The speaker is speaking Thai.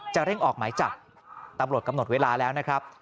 เร่งออกหมายจับตำรวจกำหนดเวลาแล้วนะครับ